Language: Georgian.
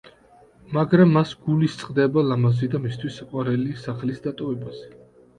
მაგრამ მას გული სწყდება ლამაზი და მისთვის საყვარელი სახლის დატოვებაზე.